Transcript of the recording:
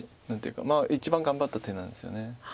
何ていうか一番頑張った手なんですよね。